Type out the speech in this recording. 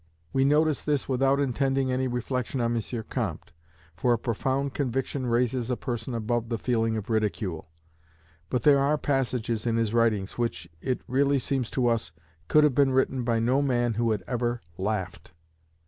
We notice this without intending any reflection on M. Comte; for a profound conviction raises a person above the feeling of ridicule. But there are passages in his writings which, it really seems to us, could have been written by no man who had ever laughed.